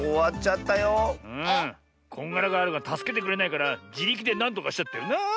こんがらガールがたすけてくれないからじりきでなんとかしちゃったよなあ。